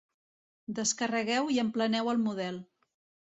Descarregueu i empleneu el model.